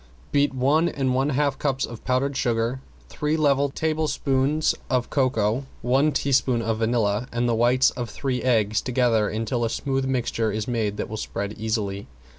Beat one and one half cups of powdered sugar, three level tablespoons of cocoa, one teaspoon of vanilla, and the whites of three eggs together until a smooth mixture is made that will spread easily.